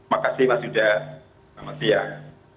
makasih mas yuda selamat siang